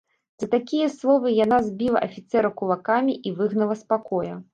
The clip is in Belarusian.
За такія словы яна збіла афіцэра кулакамі і выгнала з пакоя.